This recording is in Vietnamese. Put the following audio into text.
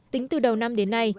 tính từ đầu năm đến nay